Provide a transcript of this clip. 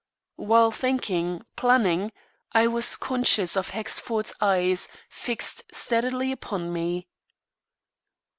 While thinking, planning, I was conscious of Hexford's eyes fixed steadily upon me.